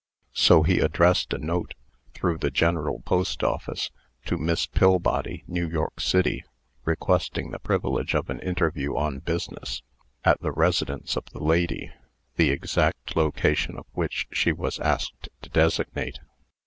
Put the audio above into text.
So he addressed a note, through the General Post Office, to "Miss Pillbody, New York City," requesting the privilege of an interview on business, at the residence of the lady, the exact location of which she was asked to designate.